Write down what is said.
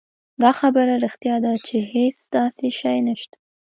دا خبره رښتيا ده چې هېڅ داسې شی نشته.